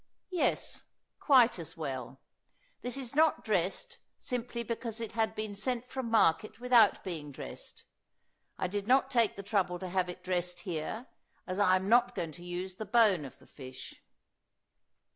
Yes, quite as well. This is not dressed simply because it had been sent from market without being dressed. I did not take the trouble to have it dressed here, as I am not going to use the bone of the fish.